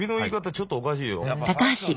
ちょっとおかしいよ。